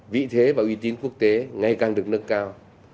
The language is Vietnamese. vị thế và uy tín quốc tế ngày càng được nâng cao